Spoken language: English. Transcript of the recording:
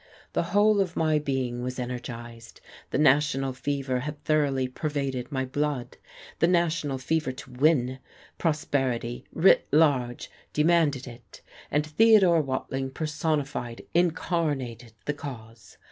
The whole of my being was energized. The national fever had thoroughly pervaded my blood the national fever to win. Prosperity writ large demanded it, and Theodore Watling personified, incarnated the cause.